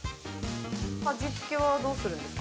味付けはどうするんですか？